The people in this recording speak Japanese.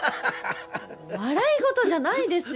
笑い事じゃないですよ！